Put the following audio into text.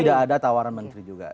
tidak ada tawaran menteri juga